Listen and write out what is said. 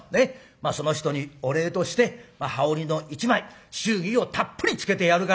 まあその人にお礼として羽織の一枚祝儀をたっぷりつけてやるから」。